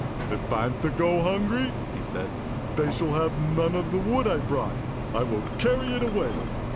"If I'm to go hungry," he said, "they shall have none of the wood I brought. I will carry it away."